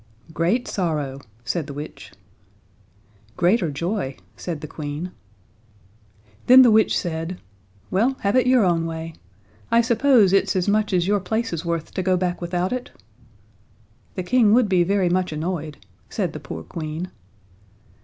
"Great sorrow," said the witch. "Greater joy," said the Queen. Then the witch said, "Well, have your own way. I suppose it's as much as your place is worth to go back without it?" "The King would be very much annoyed," said the poor Queen.